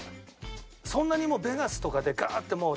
そんなにもうベガスとかでガーッてもう。